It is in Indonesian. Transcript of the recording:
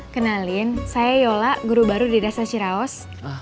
kenalin saya yola guru baru di desa ciraos